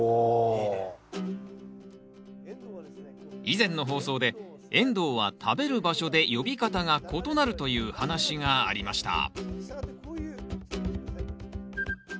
以前の放送でエンドウは食べる場所で呼び方が異なるという話がありました